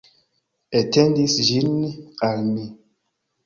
Etendis ĝin al mi.